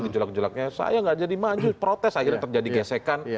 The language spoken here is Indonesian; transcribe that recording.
gejolak gejolaknya saya nggak jadi maju protes akhirnya terjadi gesekan